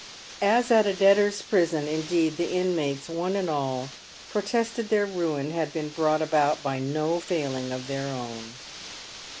As at a debtors' prison, indeed, the inmates, one f' J and all, protested their ruin had been brought about by no failing of their own.